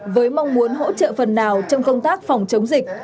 với mong muốn hỗ trợ phần nào trong công tác phòng chống dịch